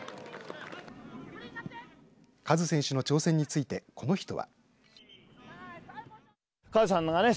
カズ選手の挑戦についてこの人は。